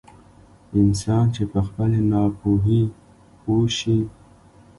انسان چې په خپلې ناپوهي پوه شي.